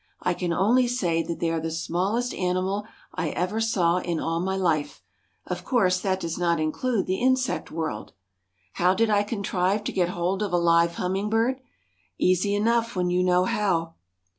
I can only say that they are the smallest animal I ever saw in all my life. Of course, that does not include the insect world. How did I contrive to get hold of a live hummingbird? Easy enough when you know how.